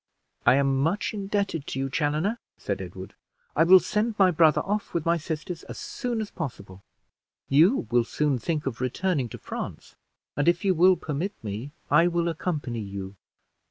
"I am much indebted to you, Chaloner," said Edward; "I will send my brother off with my sisters as soon as possible. You will soon think of returning to France; and if you will permit me, I will accompany you."